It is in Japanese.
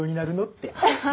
って。